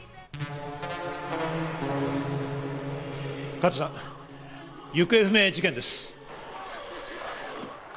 加藤さん、行方不明事件です。